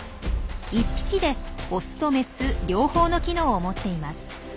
１匹でオスとメス両方の機能を持っています。